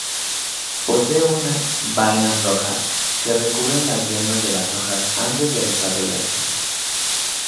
Posee unas vainas rojas que recubren las yemas de las hojas antes de desarrollarse.